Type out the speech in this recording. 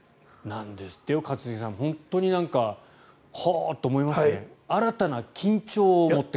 なんですってよ一茂さん本当にほーって思いましたね。